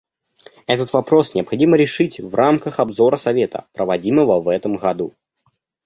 Этот вопрос необходимо решить в рамках обзора Совета, проводимого в этом году.